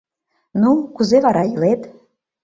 Ну, кузе вара илет?